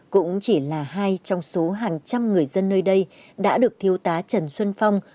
cũng chỉ là hai trong số hàng trăm người dân nơi đây đã được thiếu tá trần xuân phong